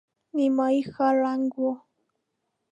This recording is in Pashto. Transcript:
نيمايي ښار ړنګ و.